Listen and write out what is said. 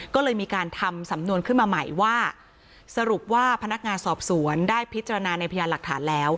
ก็เลยมีการทำสำนวนขึ้นมาใหม่ว่าสรุปว่าพนักงานสอบสวนได้พิจารณาในพยานหลักฐานแล้ว